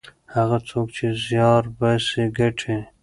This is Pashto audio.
هغه څوک چې زیار باسي ګټي.